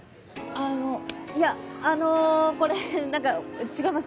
あのいやあのこれ何か違います。